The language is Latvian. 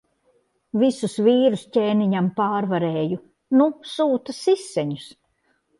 Visus vīrus ķēniņam pārvarēju. Nu sūta siseņus.